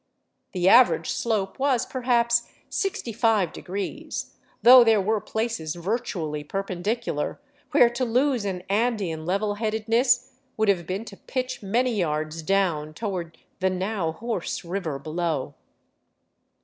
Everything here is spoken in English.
The average slope was perhaps sixty five de grees, though there were places virtually perpendicular where to lose an Andean level headedness would have been to pitch many yards down toward the now hoarse river below.